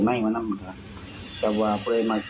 ยังไงต้องเอามาเตือนกัน